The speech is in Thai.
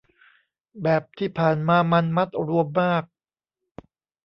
แบบที่ผ่านมามันมัดรวมมาก